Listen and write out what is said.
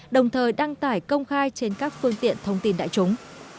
đồng thời đăng tải công khai trên các phương tiện thông tin đại chúng